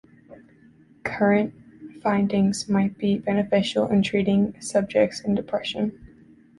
Current findings might be beneficial in treating subjects in depression.